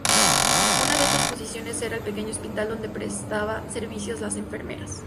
Una de estas posiciones era el pequeño hospital donde prestaban servicio las enfermeras.